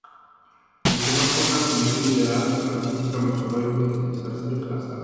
Aunque no fue una solución ideal, la acústica mejoró y pudo utilizarse la sala.